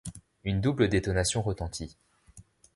Une double détonation retentit.